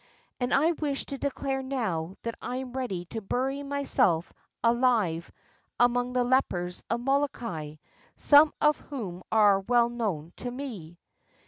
And I wish to declare now that I am ready to bury myself alive among the lepers of Molokai, some of whom are well known to me."